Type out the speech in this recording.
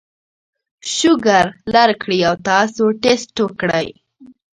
شوګر لر کړي او تاسو ټېسټ وکړئ